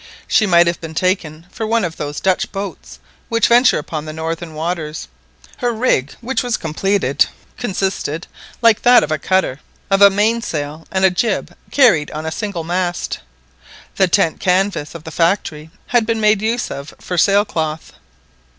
She might have been taken for one of those Dutch boats which venture upon the northern waters. Her rig, which was completed, consisted, like that of a cutter, of a mainsail and a jib carried on a single mast. The tent canvass of the factory had been made use of for sailcloth.